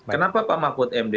kenapa pak mahfud md